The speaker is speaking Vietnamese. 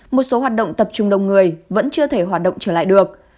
một số hoạt động tập trung đông người vẫn chưa thể hoạt động trở lại được